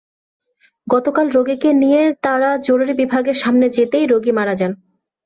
গতকাল রোগীকে নিয়ে তাঁরা জরুরি বিভাগের সামনে যেতেই রোগী মারা যান।